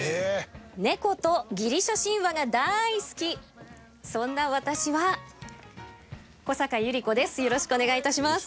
猫とギリシャ神話が大好きそんな私は小坂由里子です。